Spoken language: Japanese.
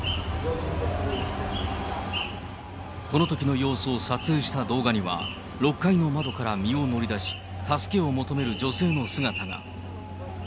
このときの様子を撮影した動画には、６階の窓から身を乗り出し、助けを求める女性の姿が。